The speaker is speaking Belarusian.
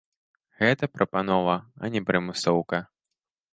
Гэта прапанова, а не прымусоўка.